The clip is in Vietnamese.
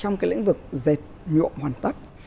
nhiệm vực dệt nhuộm hoàn tất